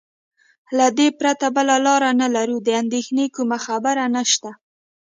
له دې پرته بله لار نه لرو، د اندېښنې کومه خبره نشته.